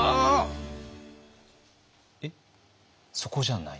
えっそこじゃない？